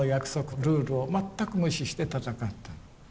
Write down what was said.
ルールを全く無視して戦った。